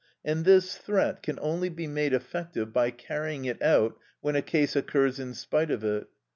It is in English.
And this threat can only be made effective by carrying it out when a case occurs in spite of it.